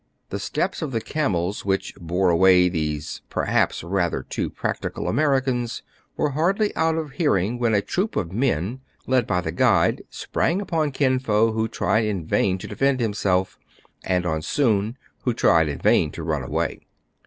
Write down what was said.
The steps of the camels which bore away these CRAIG AND FRY SEE THE MOON RISE, 257 perhaps rather too practical Americans were hardly out of hearing, when a troop of men, led by the guide, sprang upon Kin Fo, who tried in vain to defend himself; and on Soun, who tried in vain to run away.